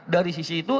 dari sisi itu